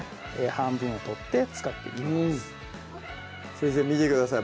半分を取って使っていきます先生見てください